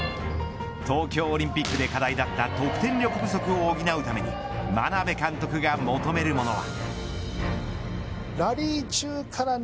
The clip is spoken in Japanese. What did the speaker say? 東京オリンピックで課題だった得点力不足を補うために眞鍋監督が求めるものは。